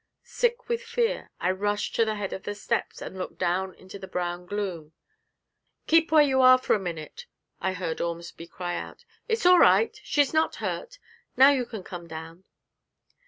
Sick with fear, I rushed to the head of the steps, and looked down into the brown gloom. 'Keep where you are for a minute!' I heard Ormsby cry out. 'It's all right she's not hurt; now you can come down.'